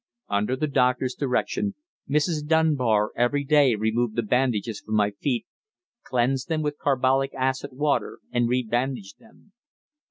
Under the doctor's direction, Mrs. Dunbar every day removed the bandages from my feet, cleansed them with carbolic acid water and rebandaged them.